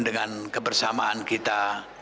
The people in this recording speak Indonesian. dengan kebersamaan kita